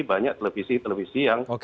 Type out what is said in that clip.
banyak televisi televisi yang